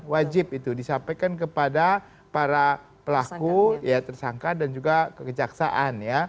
wajib itu disampaikan kepada para pelaku tersangka dan juga kekejaksaan